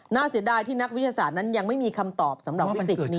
เสียดายที่นักวิทยาศาสตร์นั้นยังไม่มีคำตอบสำหรับวิกฤตนี้